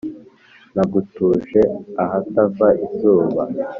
Nagutuje ahatava izuba,